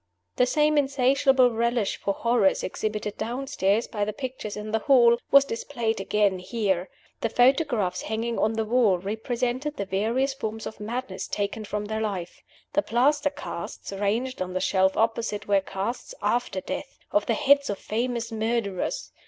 The same insatiable relish for horrors exhibited downstairs by the pictures in the hall was displayed again here. The photographs hanging on the wall represented the various forms of madness taken from the life. The plaster casts ranged on the shelf opposite were casts (after death) of the heads of famous murderers.